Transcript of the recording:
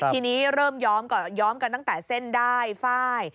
ทีนี้เริ่มยอมกันตั้งแต่เส้นได้ไฟ